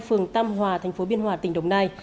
phường tam hòa tp biên hòa tỉnh đồng nai